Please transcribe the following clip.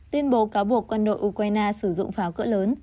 tuyên bố cáo buộc quân đội ukraine sử dụng pháo cỡ lớn